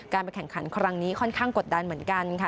ไปแข่งขันครั้งนี้ค่อนข้างกดดันเหมือนกันค่ะ